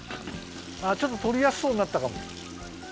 ちょっととりやすそうになったかも。